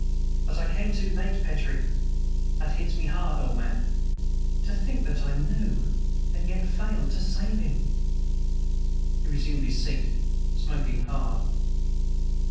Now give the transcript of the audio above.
But I came too late, Petrie! That hits me hard, old man. To think that I knew and yet failed to save him!" He resumed his seat, smoking hard.